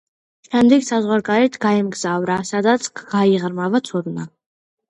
შემდეგ საზღვარგარეთ გაემგზავრა, სადაც გაიღრმავა ცოდნა.